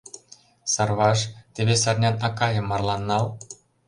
Сарваш, тый вес арнян акайым марлан нал!